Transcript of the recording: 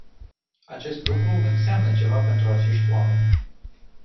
Acest lucru înseamnă ceva pentru acești oameni.